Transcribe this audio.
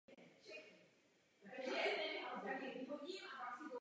Lékař záležitost oznámil a Hill byl zatčen jako podezřelý.